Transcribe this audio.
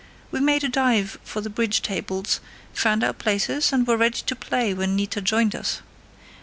We made a dive for the bridge tables, found our places, and were ready to play when Nita joined us.